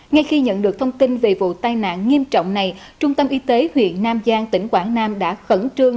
ngay khi nhận được thông tin về vụ tai nạn nghiêm trọng này trung tâm y tế huyện nam giang tỉnh quảng nam đã khẩn trương